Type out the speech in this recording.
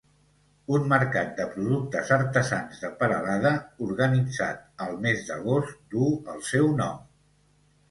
Un mercat de productes artesans de Peralada organitzat el mes d'agost duu el seu nom.